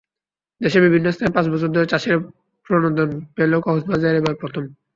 দেশের বিভিন্ন স্থানে পাঁচ বছর ধরে চাষিরা প্রণোদনা পেলেও কক্সবাজারে এবার প্রথম।